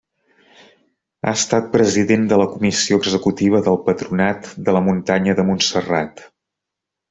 Ha estat president de la comissió executiva del Patronat de la Muntanya de Montserrat.